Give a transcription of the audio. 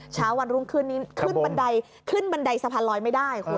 เช้าวันรุ่งขึ้นนี้ขึ้นบันไดสะพานรอยไม่ได้